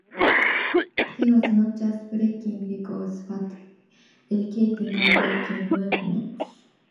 He was not just breaking records but educating and breaking movements.